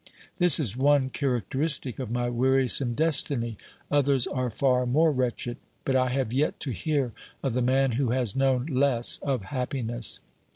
This is one char acteristic of my wearisome destiny ; others are far more wretched, but I have yet to hear of the man who has known less of happiness.